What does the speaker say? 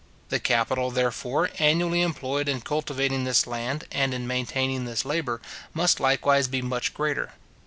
The capital, therefore, annually employed in cultivating this land, and in maintaining this labour, must likewise be much greater.